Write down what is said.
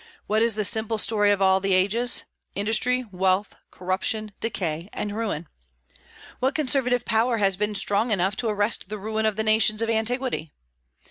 What is the simple story of all the ages? industry, wealth, corruption, decay, and ruin. What conservative power has been strong enough to arrest the ruin of the nations of antiquity?